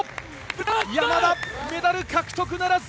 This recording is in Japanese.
山田、メダル獲得ならず。